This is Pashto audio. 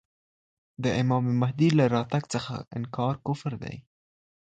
د امام مهدي له راتګ څخه انکار کفر دی.